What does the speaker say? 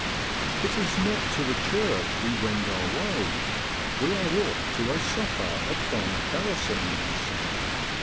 It is not to the church we wend our way; we are off to a sup per at Farmer Kerrison's.